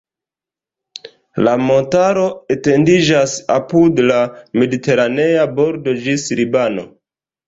La montaro etendiĝas apud la Mediteranea bordo ĝis Libano.